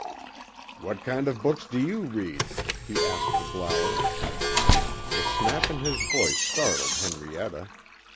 "What kind of books do you read?" he asked the glowerer. The snap in his voice startled Henrietta.